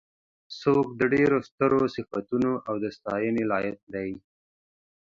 څوک د ډېرو سترو صفتونو او د ستاینې لایق دی.